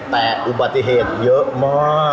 แต่อุบัติเหตุเยอะมาก